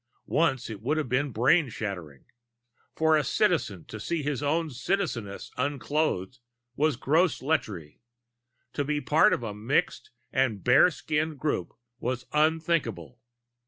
Once it would have been brain shattering. For a Citizen to see his own Citizeness unclothed was gross lechery. To be part of a mixed and bare skinned group was unthinkable.